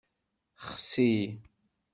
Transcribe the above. Xsi.